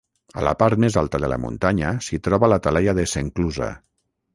A la part més alta de la muntanya s'hi troba la talaia de s'Enclusa.